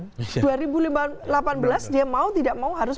dia mau tidak mau harus mengusung jalan